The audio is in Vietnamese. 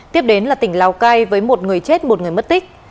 tiếp đến là tỉnh lào cai với một người chết một người mất tích